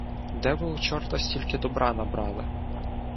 — Де ви у чорта стільки добра набрали?